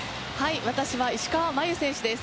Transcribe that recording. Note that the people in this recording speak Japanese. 私は石川真佑選手です。